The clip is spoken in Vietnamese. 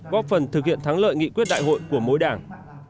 góp phần thực hiện thắng lợi nghị quyết đại hội của mỗi đảng